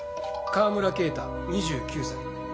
川村啓太２９歳。